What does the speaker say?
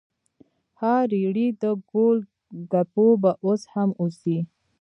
ها ریړۍ د ګول ګپو به اوس هم اوسي؟